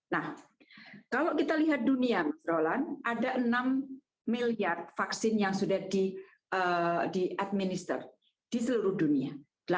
nah kalau kita lihat dunia mas roland ada enam miliar vaksin yang sudah di administer di seluruh dunia